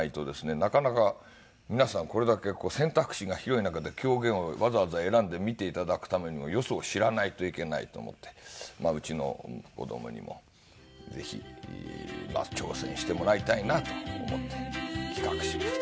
なかなか皆さんこれだけ選択肢が広い中で狂言をわざわざ選んで見て頂くためにもよそを知らないといけないと思ってうちの子供にもぜひ挑戦してもらいたいなと思って企画しました。